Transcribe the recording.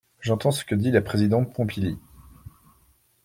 J’entends ce que dit la présidente Pompili.